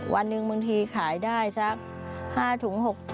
วันหนึ่งบางทีขายได้สัก๕ถุง๖๐๐